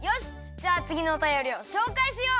じゃあつぎのおたよりをしょうかいしよう。